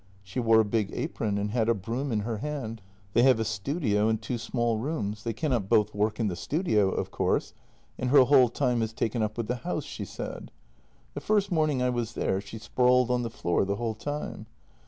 She wore a big apron and had a broom in her hand. They have a studio and two small rooms; they cannot both work in the studio, of course, and her whole time is taken up with the house, she said. The first morning I was there she sprawled on the floor the whole time.